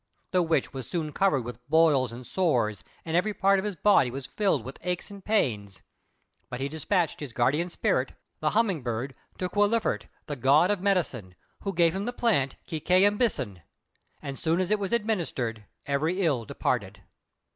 The Witch was soon covered with boils and sores, and every part of his body was filled with aches and pains. But he despatched his guardian spirit, the Humming bird, to "Quiliphirt," the God of medicine, who gave him the plant "Kī Kay īn bīsun," and as soon as it was administered, every ill departed.